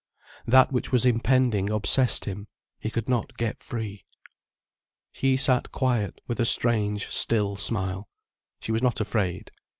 That which was impending obsessed him, he could not get free. She sat quiet, with a strange, still smile. She was not afraid.